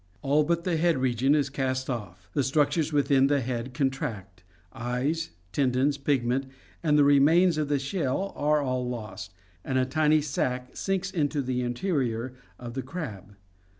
All but the head region is cast off; the structures within the head contract; eyes, tendons, pigment, and the remains of the shell are all lost; and a tiny sac sinks into the interior of the crab.